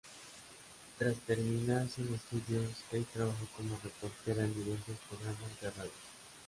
Tras terminar sus estudios, Kay trabajó como reportera en diversos programas de radio.